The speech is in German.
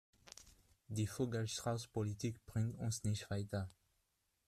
Die Vogel-Strauß-Politik bringt uns nicht weiter.